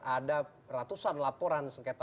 ada ratusan laporan